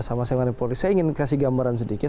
saya ingin kasih gambaran sedikit